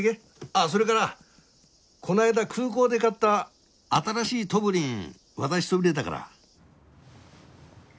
ああそれからこの間空港で買った新しいとぶりん渡しそびれたから。